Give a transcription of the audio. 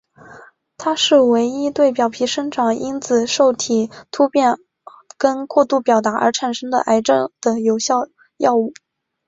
它是唯一对表皮生长因子受体突变跟过度表达而产生的癌症的有效药物。